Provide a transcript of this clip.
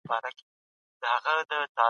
قانونيت په يوه سياسي نظام کي څه رول لري؟